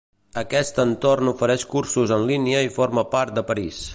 Aquest entorn ofereix cursos en línia i forma part de París.